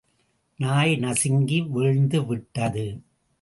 நாய் நசுங்கி வீழ்ந்துவிட்டது.